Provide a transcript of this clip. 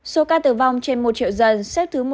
số ca tử vong trên một triệu dân xếp thứ một trăm ba mươi